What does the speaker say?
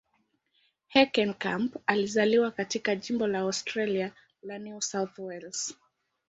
Heckenkamp alizaliwa katika jimbo la Australia la New South Wales.